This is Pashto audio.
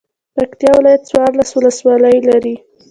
پکتيا ولايت څوارلس ولسوالۍ لري